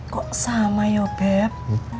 kok sama ya beb